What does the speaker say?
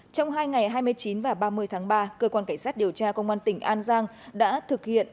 trong hai ngày hai mươi chín và ba mươi tháng ba cơ quan cảnh sát điều tra công an tỉnh an giang đã thực hiện